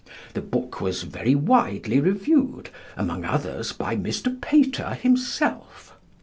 The book was very widely reviewed, among others by Mr. Pater himself.